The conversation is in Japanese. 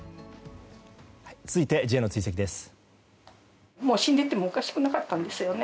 続いてＪの追跡です。